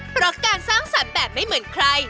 เพราะการสร้างสรรค์แบบไม่เหมือนใคร